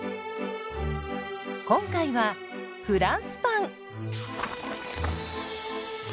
今回はフランスパン。